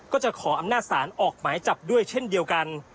ก็จะขออำนาจศาลออกหมายจับด้วยเช่นเดียวกัน